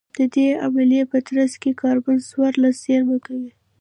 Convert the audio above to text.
د دې عملیې په ترڅ کې کاربن څوارلس زېرمه کوي